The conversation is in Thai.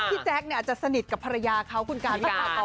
พี่แจ๊กเนี่ยอาจจะสนิทกับภรรยาเขาคุณกาลต่อ